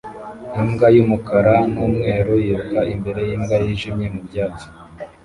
Imbwa y'umukara n'umweru yiruka imbere y'imbwa yijimye mu byatsi